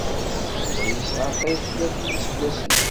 Yuba yesɛa qrib tlatin iseggasen.